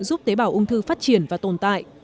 giúp tế bào ung thư phát triển và tồn tại